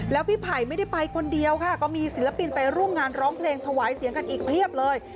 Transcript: แล้วพี่ไผ่ไม่ได้ไปคนเดียวค่ะก็มีศิลปินไปร่วมงานร้องเพลงถวายเสียงกันอีกเพียบเลย